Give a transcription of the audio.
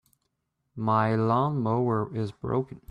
My lawn-mower is broken.